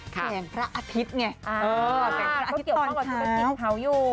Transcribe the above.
แข่งพระอาทิตย์ไงเออพระอาทิตย์ตอนเท้าเออเขาเกี่ยวข้องกับที่พระอาทิตย์เผาอยู่